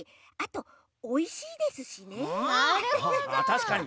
たしかに！